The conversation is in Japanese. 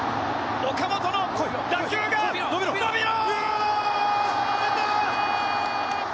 岡本の打球が、伸びろ！